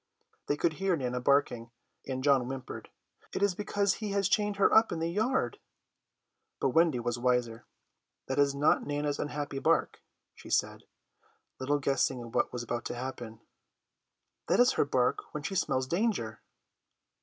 They could hear Nana barking, and John whimpered, "It is because he is chaining her up in the yard," but Wendy was wiser. "That is not Nana's unhappy bark," she said, little guessing what was about to happen; "that is her bark when she smells danger."